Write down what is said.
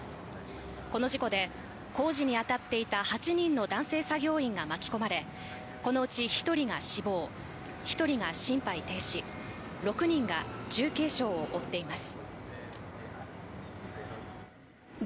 この事故で工事に当たっていた８人の男性作業員が巻き込まれ、このうち１人が死亡、１人が心肺停止、６人が重軽傷を負っています。